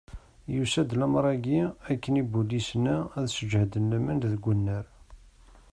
Yusa-d lamer-agi akken ibulisen-a, ad sǧehden laman deg unnar.